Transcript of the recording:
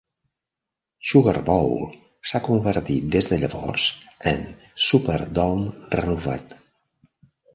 Sugar Bowl s'ha convertit des de llavors en Superdome renovat.